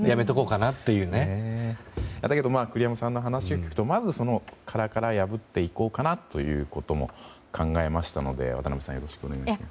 だけど、栗山さんの話を聞くとまず、殻から破っていこうかなということも考えましたので渡辺さんよろしくお願いします。